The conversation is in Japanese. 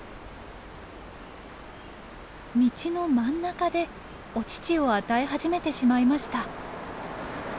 道の真ん中でお乳を与え始めてしまいました。